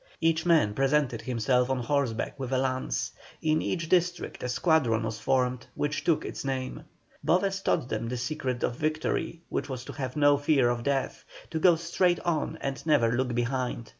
Each man presented himself on horseback with a lance; in each district a squadron was formed which took its name. Boves taught them the secret of victory, which was to have no fear of death, to go straight on and never look behind.